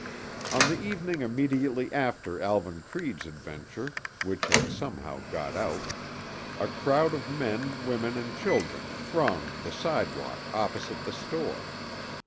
On the evening immediately after Alvan Creede's adventure (which had somehow "got out") a crowd of men, women and children thronged the sidewalk opposite the store.